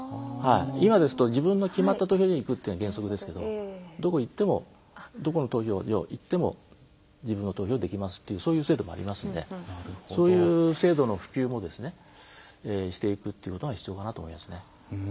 今ですと自分の決まった投票所に行くのが原則ですけどどこに行ってもどこの投票所に行っても自分の投票ができますというそういう制度がありますのでそういう制度の普及もしていくということが必要かなと思いますね。